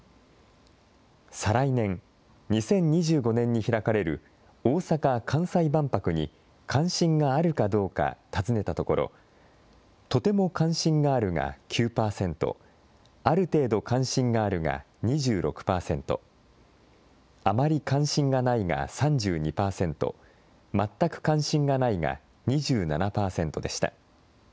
再来年・２０２５年に開かれる大阪・関西万博に関心があるかどうか尋ねたところ、とても関心があるが９％、ある程度関心があるが２６％、あまり関心がないが３２％、まったく関心がないが２７％でした。